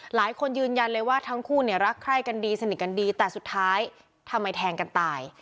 หลายคนยืนยันเลยว่าทั้งคู่เนี่ยรักใคร่กันดีสนิทกันดีแต่สุดท้ายทำไมแทงกันตาย